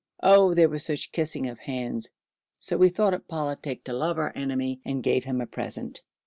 Oh! there was such kissing of hands! so we thought it politic to love our enemy and gave him a present.